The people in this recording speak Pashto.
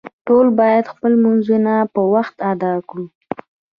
ټول باید خپل لمونځونه په وخت ادا کړو